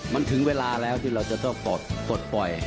มันถึงเวลาแล้วที่เราจะต้องปลดปล่อย